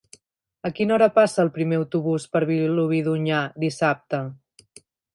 A quina hora passa el primer autobús per Vilobí d'Onyar dissabte?